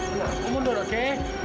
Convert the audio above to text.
tengah om mundur oke oke